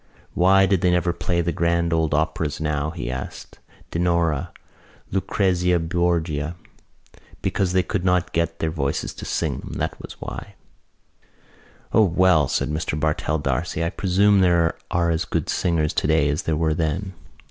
Why did they never play the grand old operas now, he asked, Dinorah, Lucrezia Borgia? Because they could not get the voices to sing them: that was why. "Oh, well," said Mr Bartell D'Arcy, "I presume there are as good singers today as there were then."